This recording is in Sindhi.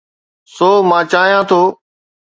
سو، مان چاهيان ٿو